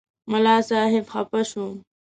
ملا صاحب خفه شو.